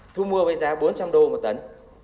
thu mua với giá bốn trăm linh đô một tấn